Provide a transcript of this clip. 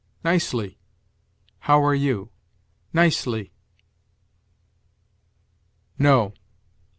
"Nicely." "How are you?" "Nicely." NO.